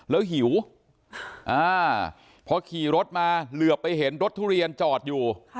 แล้วหิวพอขี่รถมาเหลือไปเห็นรถทุเรียนจอดอยู่